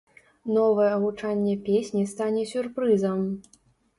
Новае гучанне песні стане сюрпрызам.